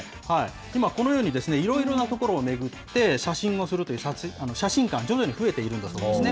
今このように、いろいろな所を巡って、写真をするという写真館、徐々に増えているんだそうですね。